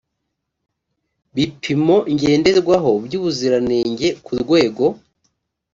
bipimo ngenderwaho by ubuziranenge ku rwego